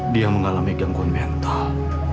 dia mengalami gangguan mental